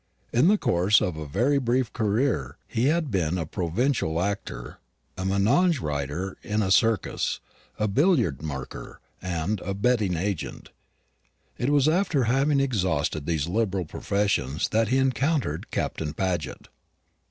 In the course of a very brief career he had been a provincial actor, a manège rider in a circus, a billiard marker, and a betting agent. It was after having exhausted these liberal professions that he encountered Captain Paget.